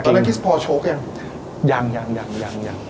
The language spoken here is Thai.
กันแล้วคิสพอโชคยังยังยังยังยังยัง